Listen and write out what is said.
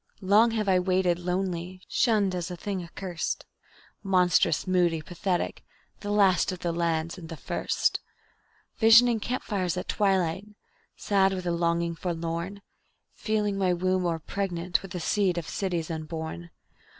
Long have I waited lonely, shunned as a thing accurst, Monstrous, moody, pathetic, the last of the lands and the first; Visioning camp fires at twilight, sad with a longing forlorn, Feeling my womb o'er pregnant with the seed of cities unborn.